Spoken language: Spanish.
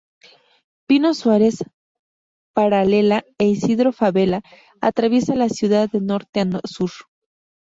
Pino Suárez, paralela a Isidro Fabela, atraviesa la ciudad de norte a sur.